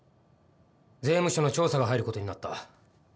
税務署の調査が入る事になった。